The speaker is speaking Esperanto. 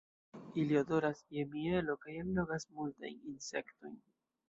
Ili odoras je mielo, kaj allogas multajn insektojn.